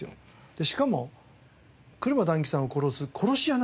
でしかも車だん吉さんを殺す殺し屋なんですよ。